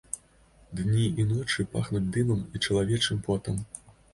Дні і ночы пахнуць дымам і чалавечым потам.